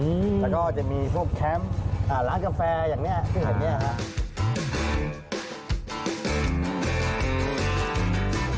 แล้วก็จะมีพวกแคมป์ร้านกาแฟอย่างนี้ซึ่งแบบนี้